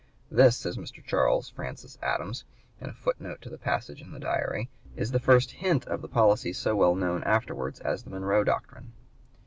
"This," says Mr. Charles Francis Adams in a footnote to the passage in the Diary, "is the first hint of the policy so well known afterwards as the Monroe Doctrine."